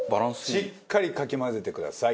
しっかりかき混ぜてください。